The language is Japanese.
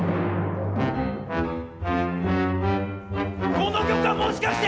この曲はもしかして！